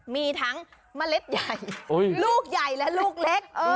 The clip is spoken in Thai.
มีทั้งเมล็ดใหญ่ลูกใหญ่และลูกเล็ก